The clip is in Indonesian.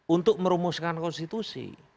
untuk merumuskan konstitusi